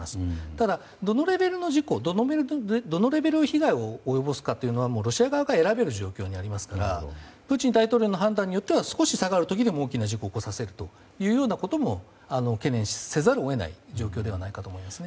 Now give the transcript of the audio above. ただ、どのレベルの事故どのレベルの被害を及ぼすかというのはロシア側が選べる状況にありますからプーチン大統領の判断によっては少し下がる時に大きな事故を起こさせるということも懸念せざるを得ない状況かと思いますね。